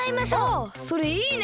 あっそれいいね。